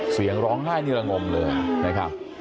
เสียงร้องไห้นี่ระงมเลยนะครับ